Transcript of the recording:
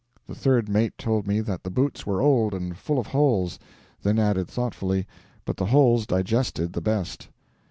The third mate told me that the boots were old and full of holes; then added thoughtfully, 'but the holes digested the best.'